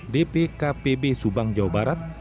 dpkpb subang jawa barat